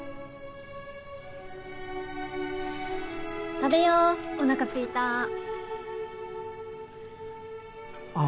食べようおなかすいたああ